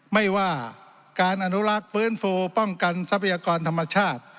ไม่ว่าการอนุรักษ์ฟื้นฟูป้องกันทรัพยากรธรรมชาติ